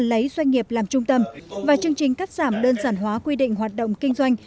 lấy doanh nghiệp làm trung tâm và chương trình cắt giảm đơn giản hóa quy định hoạt động kinh doanh